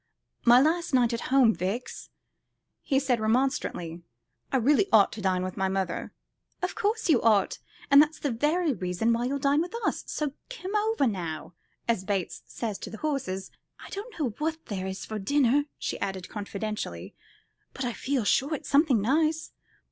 "My last night at home, Vix," he said remonstrantly; "I really ought to dine with my mother." "Of course you ought, and that's the very reason why you'll dine with us. So 'kim over, now,' as Bates says to the horses; I don't know what there is for dinner," she added confidentially, "but I feel sure it's something nice.